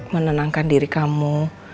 menenangkan diri kamu